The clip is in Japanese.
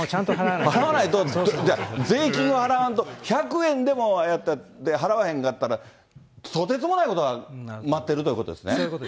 払わないと、じゃあ、税金を払わんと、１００円でも払わへんかったら、とてつもないことが待そういうことですね。